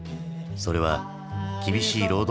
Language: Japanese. それは厳しい労働環境